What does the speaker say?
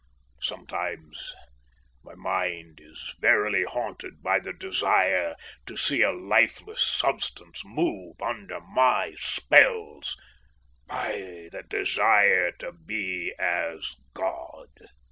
Sometimes my mind is verily haunted by the desire to see a lifeless substance move under my spells, by the desire to be as God."